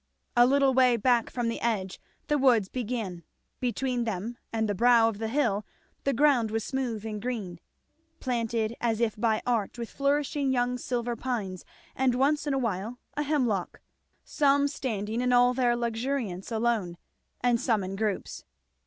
A little way back from the edge the woods began; between them and the brow of the hill the ground was smooth and green, planted as if by art with flourishing young silver pines and once in a while a hemlock, some standing in all their luxuriance alone, and some in groups.